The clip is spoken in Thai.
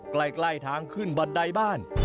ใกล้ทางขึ้นบันไดบ้าน